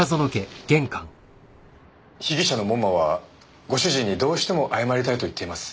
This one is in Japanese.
被疑者の門馬はご主人にどうしても謝りたいと言っています。